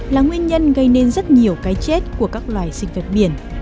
là nguyên nhân gây nên rất nhiều cái chết của các loài sinh vật biển